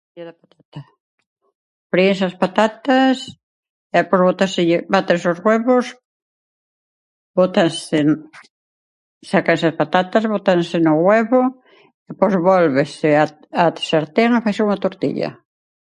Tortilla de patata: fríes as patatas e despois botáselle, bátese os huevos, bótanse, sácanse as patatas, bótanse no huevo, despois vólvese a a sartén e faise unha tortilla.